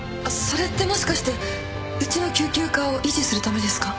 それってもしかしてうちの救急科を維持するためですか？